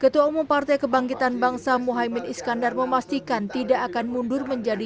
ketua umum partai kebangkitan bangsa muhaymin iskandar memastikan tidak akan mundur menjadi